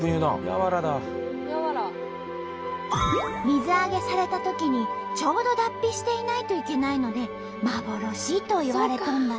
水揚げされたときにちょうど脱皮していないといけないので幻といわれとんだって。